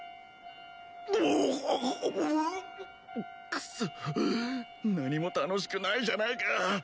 くそっ何も楽しくないじゃないか